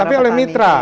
tapi oleh para petani